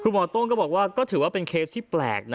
หมอโต้งก็บอกว่าก็ถือว่าเป็นเคสที่แปลกนะ